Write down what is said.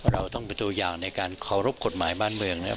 เราต้องเป็นตัวอย่างในการเคารพกฎหมายบ้านเมืองนะครับ